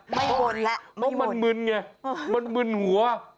ไม่วนละไม่วนมันมึนไงมันมึนหัว